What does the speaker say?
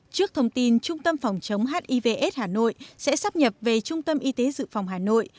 trước thông tin trung tâm phòng chống hivs hà nội sẽ sắp nhập về trung tâm y tế dự phòng hà nội